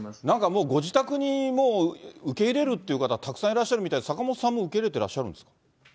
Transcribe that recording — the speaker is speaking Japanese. なんかもう、ご自宅にもう受け入れるという方、たくさんいらっしゃるみたいで、坂本さんも受け入れてらっしゃるんですか。